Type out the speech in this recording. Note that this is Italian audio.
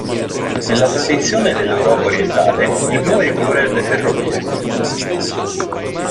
Nella tradizione dell'Europa orientale il blu è il colore delle ferrovie.